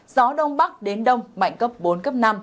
gió đông bắc đến đông mạnh cấp bốn cấp năm